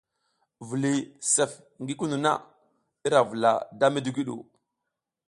Viliy sef ngi kunu na, ira vula da midigwu ɗu.